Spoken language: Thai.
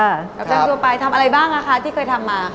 อาจารย์ทั่วไปทำอะไรบ้างคะที่เคยทำมา